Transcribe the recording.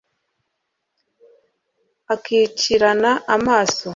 Akicirana amaso